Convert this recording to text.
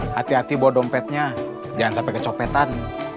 hati hati bawa dompetnya jangan sampai kecopetan